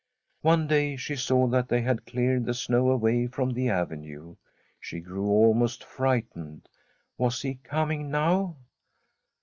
One day she saw that they had cleared the snow away from the avenue. She grew almost frightened. Was he coming now?